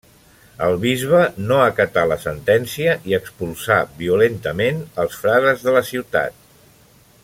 El bisbe no acatà la sentència i expulsà violentament els frares de la ciutat.